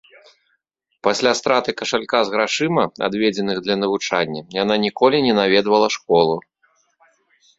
Пасля страты кашалька з грашыма, адведзеных для навучання, яна ніколі не наведвала школу.